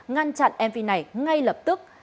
ngăn chặn mv này ngay lập tức